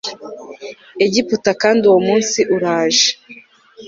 Egiputa kandi uwo munsi uraje